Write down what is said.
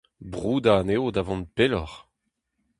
Broudañ anezho da vont pelloc'h.